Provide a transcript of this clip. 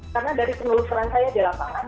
karena dari penelusuran saya di lapangan